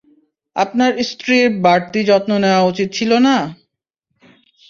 আপনার স্ত্রীর বাড়তি যত্ন নেওয়া উচিত ছিল না?